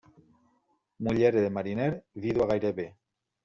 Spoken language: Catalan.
Muller de mariner, vídua gairebé.